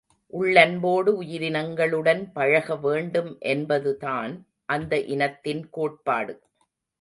உள்ளன்போடு உயிரினங்களுடன் பழக வேண்டும் என்பதுதான் அந்த இனத்தின் கோட்பாடு.